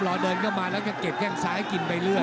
เดินเข้ามาแล้วจะเก็บแข้งซ้ายกินไปเรื่อย